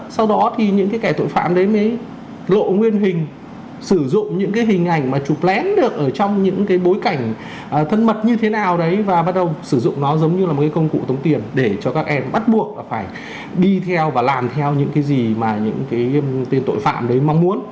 sau đó thì những cái kẻ tội phạm đấy mới lộ nguyên hình sử dụng những cái hình ảnh mà chụp lén được ở trong những cái bối cảnh thân mật như thế nào đấy và bắt đầu sử dụng nó giống như là một cái công cụ tống tiền để cho các em bắt buộc là phải đi theo và làm theo những cái gì mà những cái tên tội phạm đấy mong muốn